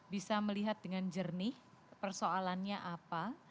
bisa melihat dengan jernih persoalannya apa